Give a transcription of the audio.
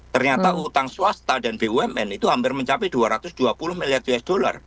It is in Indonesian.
ternyata utang swasta dan bumn itu hampir mencapai dua ratus dua puluh miliar usd